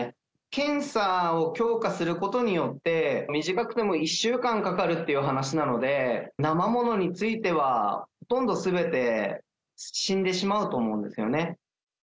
検査を強化することによって、短くても１週間かかるという話なので、なま物についてはほとんどすべて死んでしまうと思うんですよ